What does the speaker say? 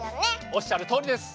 おっしゃるとおりです。